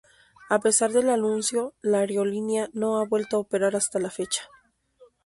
A pesar del anuncio la aerolínea no ha vuelto a operar hasta la fecha.